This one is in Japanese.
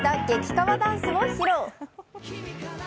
カワダンスを披露。